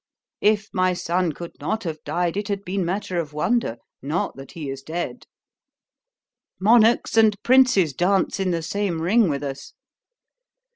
_ "If my son could not have died, it had been matter of wonder,—not that he is dead. "Monarchs and princes dance in the same ring with us.